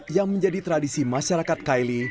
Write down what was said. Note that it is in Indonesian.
yang menjadi tradisi masyarakat kaili